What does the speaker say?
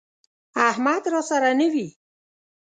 احمد راسره نه وي،